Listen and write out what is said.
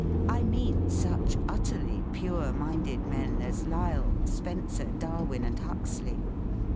I mean such utterly pure minded men as Lyell, Spencer, Darwin and Huxley.